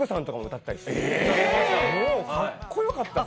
かっこよかったんです。